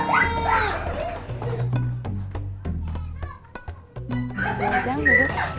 udah panjang bu